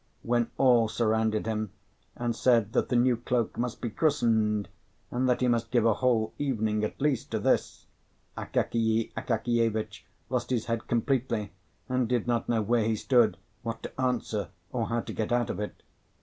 When all surrounded him, and said that the new cloak must be "christened," and that he must give a whole evening at least to this, Akakiy Akakievitch lost his head completely, and did not know where he stood, what to answer, or how to get out of it.